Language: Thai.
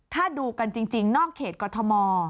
ถ้าดูกันจริงนอกเขตกรทม